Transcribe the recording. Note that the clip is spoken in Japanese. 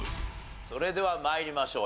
それでは参りましょう。